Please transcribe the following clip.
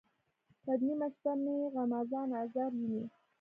پر نیمه شپه مې غمازان آزار ویني.